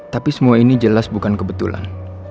tapi semua ini jelas bukan kebetulan